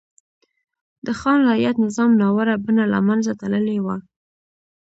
د خان رعیت نظام ناوړه بڼه له منځه تللې وه.